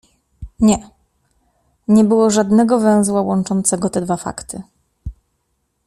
Nie, nie było żadnego węzła łączącego te dwa fakty.